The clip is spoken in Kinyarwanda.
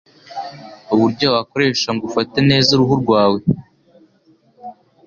Uburyo wakoresha ngo ufate neza uruhu rwawe,